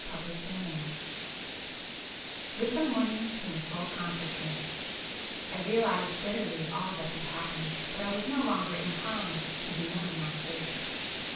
[p 382]XXXIII With the morning came full consciousness; I realized bitterly all that had happened, but I was no longer inclined to bemoan my fate.